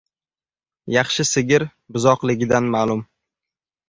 • Yaxshi sigir buzoqligidan ma’lum.